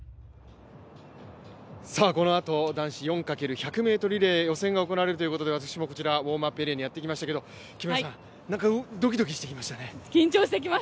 このあと男子４×１００ｍリレー予選が行われるということで私もこちら、ウォームアップエリアにやってきましたけどどきどきしてきましたね。